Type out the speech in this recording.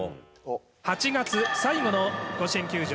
８月最後の甲子園球場